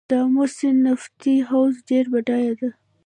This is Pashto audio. د امو سیند نفتي حوزه ډیره بډایه ده